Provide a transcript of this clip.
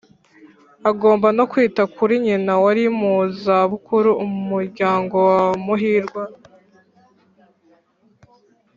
agomba no kwita kuri nyina wari mu za bukuru. umuryango wa muhirwa